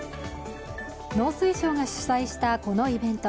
農水省が主催したこのイベント。